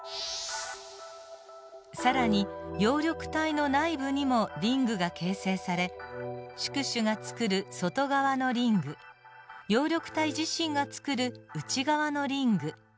更に葉緑体の内部にもリングが形成され宿主がつくる外側のリング葉緑体自身がつくる内側のリング